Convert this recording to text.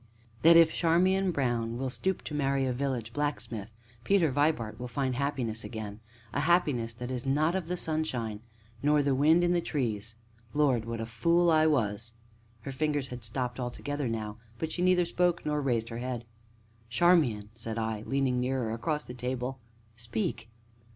"That if Charmian Brown will stoop to marry a village blacksmith, Peter Vibart will find happiness again; a happiness that is not of the sunshine nor the wind in the trees Lord, what a fool I was!" Her fingers had stopped altogether now, but she neither spoke nor raised her head. "Charmian," said I, leaning nearer across the table, "speak."